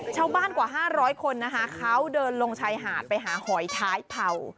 ชาวบ้านกว่า๕๐๐คนเขาเดินลงชายหาดไปหาหอยท้ายเผา